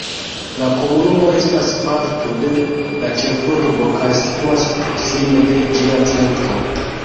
La komunumo estas parto de la ĉefurbo kaj situas proksime de ĝia centro.